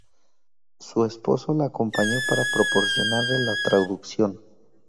Su esposo la acompañó para proporcionarle la traducción.